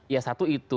ya satu itu